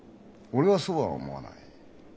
俺はそうは思わない。